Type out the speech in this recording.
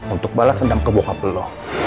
untuk balas senjam ke bokap lo